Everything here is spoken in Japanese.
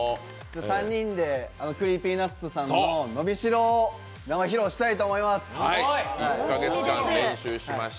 ３人でＣｒｅｅｐｙＮｕｔｓさんの「のびしろ」を生披露したいと思います。